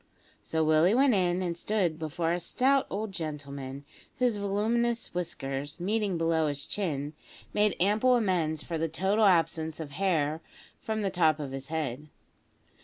So Willie went in, and stood before a stout old gentleman, whose voluminous whiskers, meeting below his chin, made ample amends for the total absence of hair from the top of his head.